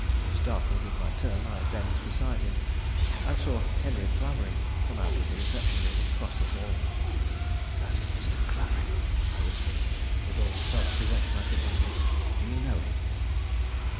Startled in my turn, I bent beside him, and saw Henry Clavering come out of the reception room and cross the hall. "That is Mr. Clavering," I whispered, with all the self possession I could muster; "do you know him?"